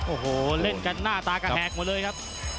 โอ้โหเล่นกันหน้าตากระแทกหมดเลยครับ